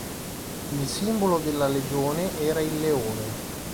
Il simbolo della legione era il leone.